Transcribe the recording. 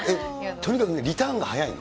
とにかく、リターンが早いの？